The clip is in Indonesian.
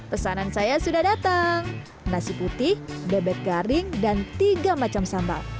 pesanan saya sudah datang nasi putih bebek garing dan tiga macam sambal